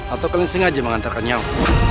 atau kalian sengaja mengantarkan nyawa